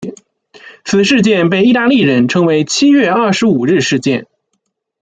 此事件被意大利人称为七月二十五日事件。